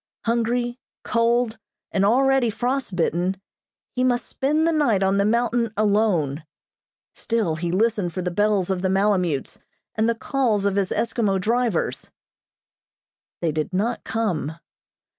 Hungry, cold and already frost bitten, he must spend the night on the mountain alone. Still he listened for the bells on the malemutes, and the calls of his Eskimo drivers. They did not come.